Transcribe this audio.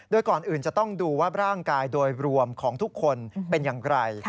โดยก่อนอื่นจะต้องดูว่าร่างกายโดยรวมของทุกคนเป็นอย่างไร